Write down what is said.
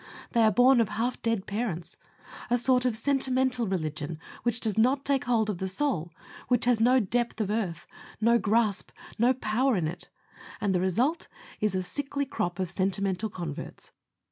They are born of half dead parents, a sort of sentimental religion, which does not take hold of the soul, which has no depth of earth, no grasp, no power in it, and the result is, a sickly crop of sentimental converts.